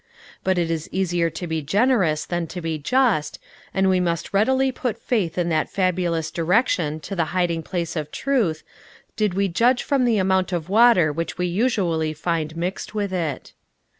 But it is easier to be generous than to be just, and we might readily put faith in that fabulous direction to the hiding place of truth, did we judge from the amount of water which we usually find mixed with it.